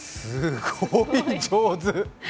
すごい上手。